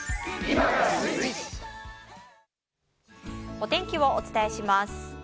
お天気をお伝えします。